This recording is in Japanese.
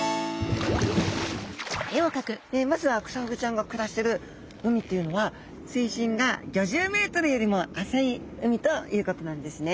まずはクサフグちゃんが暮らしてる海というのは水深が５０ｍよりも浅い海ということなんですね。